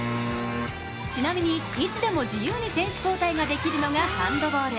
ちなみに、いつでも自由に選手交代ができるのがハンドボール。